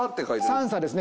３佐ですね。